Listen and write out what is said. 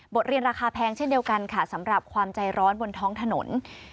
เรียนราคาแพงเช่นเดียวกันค่ะสำหรับความใจร้อนบนท้องถนน